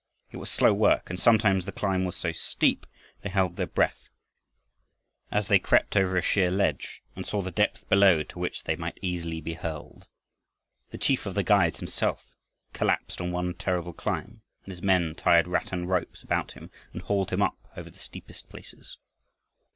It was slow work, and sometimes the climb was so steep they held their breath, as they crept over a sheer ledge and saw the depth below to which they might easily be hurled. The chief of the guides himself collapsed in one terrible climb, and his men tied rattan ropes about him and hauled him up over the steepest places.